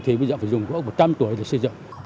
thì bây giờ phải dùng gỗ một trăm linh tuổi để xây dựng